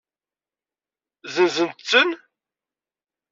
Zenzent-ten?